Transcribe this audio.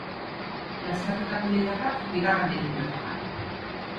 Lasterketako liderrak bigarren egin du etapan.